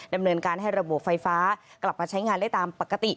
ดำเนินการให้ระบบไฟฟ้ากลับมาใช้งานได้ตามปกติ